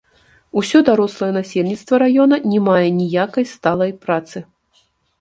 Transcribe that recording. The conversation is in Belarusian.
Усё дарослае насельніцтва раёна не мае ніякай сталай працы.